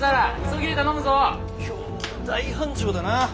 今日は大繁盛だな。